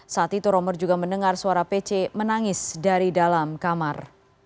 saat itu romer juga mendengar suara pc menangis dari dalam kamar